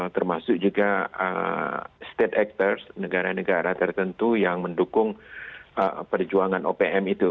termasuk juga state actors negara negara tertentu yang mendukung perjuangan opm itu